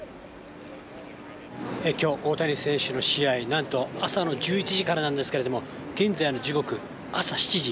きょう、大谷選手の試合、なんと朝の１１時からなんですけども、現在の時刻、朝７時。